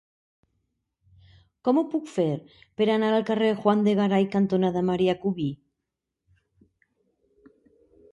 Com ho puc fer per anar al carrer Juan de Garay cantonada Marià Cubí?